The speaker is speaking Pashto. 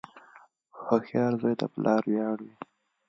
• هوښیار زوی د پلار ویاړ وي.